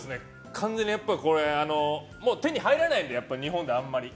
完全にこれ、手に入らないので日本であまり。